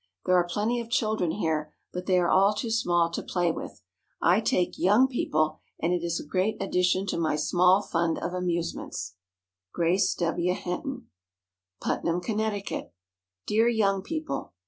There are plenty of children here, but they are all too small to play with. I take Young People, and it is a great addition to my small fund of amusements. GRACE W. HENTON. PUTNAM, CONNECTICUT. DEAR "YOUNG PEOPLE."